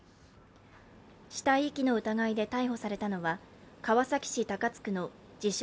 死体遺棄の疑いで逮捕されたのは川崎市高津区の自称